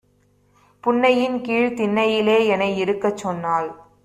புன்னையின்கீழ்த் தின்னையிலே எனைஇருக்கச் சொன்னாள்.